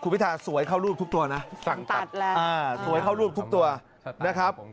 เลยสวยเข้ารูปทุกตัวนะ